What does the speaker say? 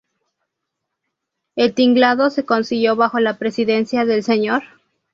El tinglado se consiguió bajo la presidencia del sr.